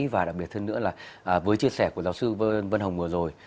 và đặc biệt hơn nữa là với chia sẻ của giáo sư vân hồng vừa rồi